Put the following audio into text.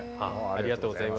ありがとうございます。